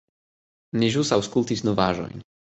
Ni ĵus aŭskultis novaĵojn.